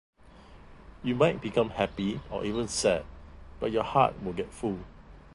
You might become happy or even sad, but your heart will get full.